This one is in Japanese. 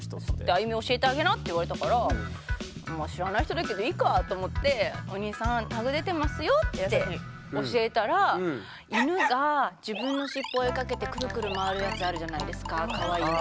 「安祐美教えてあげな」って言われたから知らない人だけどいいかと思ってって教えたら犬が自分の尻尾追いかけてクルクル回るやつあるじゃないですかかわいいの。